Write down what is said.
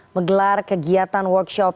menggelar kegiatan workshop